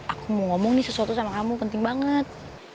aku mau ngomong nih sesuatu sama kamu penting banget